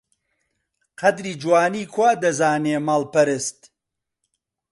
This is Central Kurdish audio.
قەدری جوانی کوا دەزانێ ماڵپەرست!